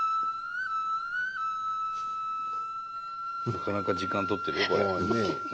なかなか時間取ってるよこれ。